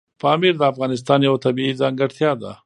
پامیر د افغانستان یوه طبیعي ځانګړتیا ده.